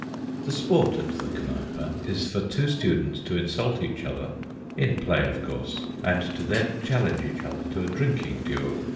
The sport at the Kneipe is for two students to insult each other (in play, of course), and to then challenge each other to a drinking duel.